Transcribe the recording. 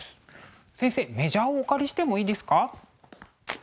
先生メジャーをお借りしてもいいですか？